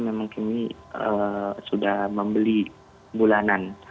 memang kami sudah membeli bulanan